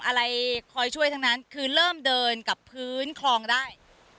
อะไรคอยช่วยทั้งนั้นคือเริ่มเดินกับพื้นคลองได้